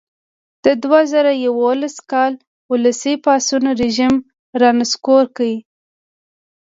د دوه زره یوولس کال ولسي پاڅون رژیم را نسکور کړ.